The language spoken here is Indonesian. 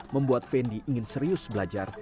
membuat fendi ingin serius belajar